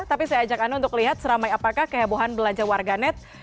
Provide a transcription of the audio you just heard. tapi saya ajak anda untuk lihat seramai apakah kehebohan belanja warganet